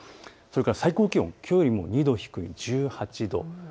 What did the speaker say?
最高気温きょうよりも２度低い１８度。